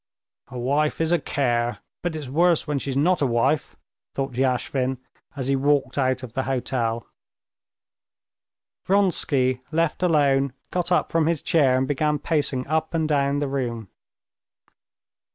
"A wife is a care, but it's worse when she's not a wife," thought Yashvin, as he walked out of the hotel. Vronsky, left alone, got up from his chair and began pacing up and down the room.